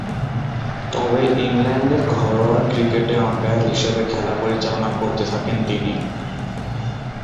তবে, ইংল্যান্ডের ঘরোয়া ক্রিকেটে আম্পায়ার হিসেবে খেলা পরিচালনা করতে থাকেন তিনি।